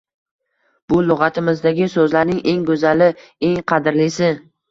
Bu luga‘timizdagi so‘zlarning eng go‘zali, eng qadrlisi